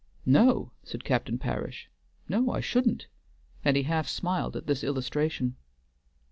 "No," said Captain Parish, "no, I shouldn't," and he half smiled at this illustration.